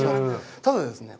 ただですね